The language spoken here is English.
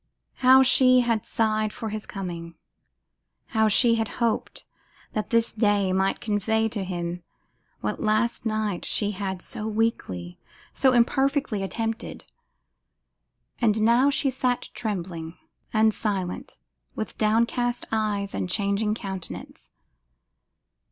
How she had sighed for his coming! How she had hoped that this day she might convey to him what last night she had so weakly, so imperfectly attempted! And now she sat trembling and silent, with downcast eyes and changing countenance!